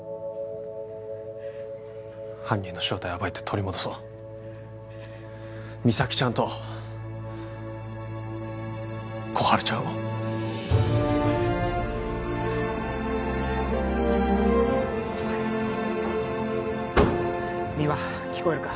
犯人の正体を暴いて取り戻そう実咲ちゃんと心春ちゃんを三輪聞こえるか？